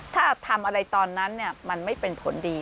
ถ้าทำอะไรตอนนั้นมันไม่เป็นผลดี